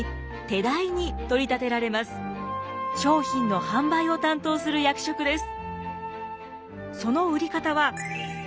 商品の販売を担当する役職です。